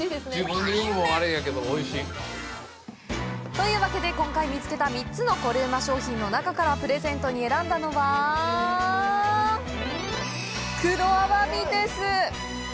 というわけで、今回見つけた３つのコレうま商品の中からプレゼントに選んだのは黒アワビです！